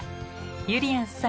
ゆりやんさん